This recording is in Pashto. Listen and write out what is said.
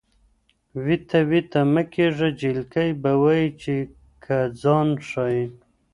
وېته وېته مه کېږه جلکۍ به وایې چې که ځان ښایې.